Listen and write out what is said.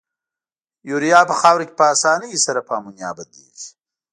یوریا په خاوره کې په اساني سره په امونیا بدلیږي.